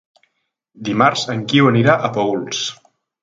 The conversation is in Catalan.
Dimarts en Guiu anirà a Paüls.